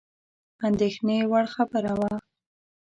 اندېښني وړ خبره وه.